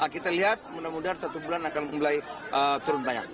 kita lihat mudah mudahan satu bulan akan mulai turun banyak